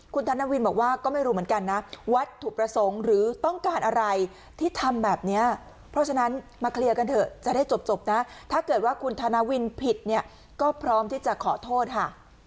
คุณธนวินบอกว่าก็ไม่รู้เหมือนกันนะวัตถุประสงค์หรือต้องการอะไรที่ทำแบบนี้เพราะฉะนั้นมาเคลียร์กันเถอะจะได้จบนะถ้าเกิดว่าคุณธนวินผิดเนี่ยก็พร้อมที่จะขอโทษค่ะ